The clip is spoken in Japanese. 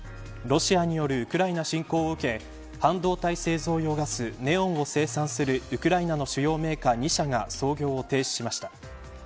ロシアによるウクライナ侵攻を受け半導体製造用ガスネオンを生産するウクライナの主要メーカー２社が操業停止しました。